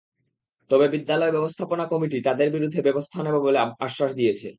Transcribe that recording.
তবে বিদ্যালয় ব্যবস্থাপনা কমিটি তাঁদের বিরুদ্ধে ব্যবস্থা নেবে বলে আশ্বাস দিয়েছে।